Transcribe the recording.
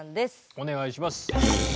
お願いします。